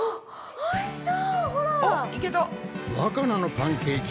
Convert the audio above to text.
おいしそう。